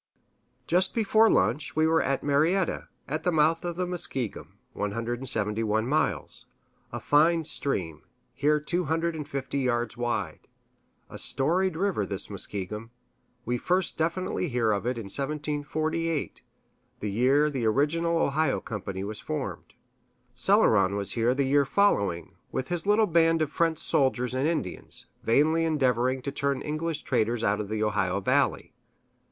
Just before lunch, we were at Marietta, at the mouth of the Muskingum (171 miles), a fine stream, here two hundred and fifty yards wide. A storied river, this Muskingum. We first definitely hear of it in 1748, the year the original Ohio Company was formed. Céloron was here the year following, with his little band of French soldiers and Indians, vainly endeavoring to turn English traders out of the Ohio Valley.